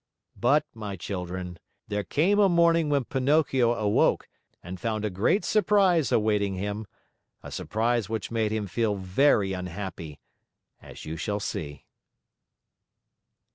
But, my children, there came a morning when Pinocchio awoke and found a great surprise awaiting him, a surprise which made him feel very unhappy, as you shall see.